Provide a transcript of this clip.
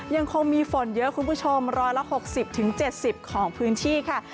ยังคงมีฝนเยอะคุณผู้ชม๑๖๐๗๐ของพื้นที่ค่ะ